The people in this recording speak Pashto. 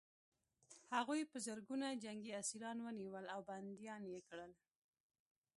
هغوی په زرګونه جنګي اسیران ونیول او بندیان یې کړل